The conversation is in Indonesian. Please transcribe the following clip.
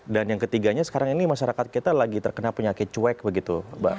dan yang ketiganya sekarang ini masyarakat kita lagi terkena penyakit cuek begitu